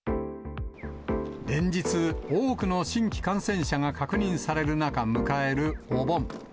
連日、多くの新規感染者が確認される中迎えるお盆。